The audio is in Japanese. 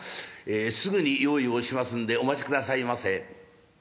えすぐに用意をしますんでお待ちくださいませ」。